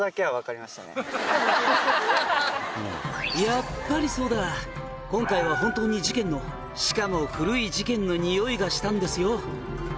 「やっぱりそうだ今回は本当に事件のしかも古い事件のニオイがしたんですよ」